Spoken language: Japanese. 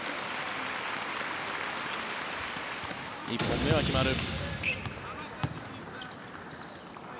１本目は決まる。